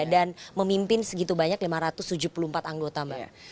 dan memimpin segitu banyak lima ratus tujuh puluh empat anggota mbak